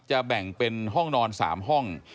แบ่งเป็นห้องนอน๓ห้อง